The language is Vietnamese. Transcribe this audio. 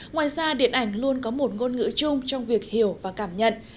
ngoài ra điện ảnh luôn có một ngôn ngữ chung trong việc hiểu và cảm nhận